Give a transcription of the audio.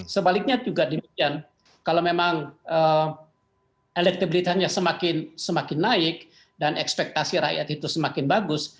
sebaliknya juga demikian kalau memang elektabilitasnya semakin naik dan ekspektasi rakyat itu semakin bagus